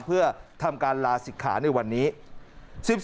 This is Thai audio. เพื่อทำการลาศิกขาในวันนี้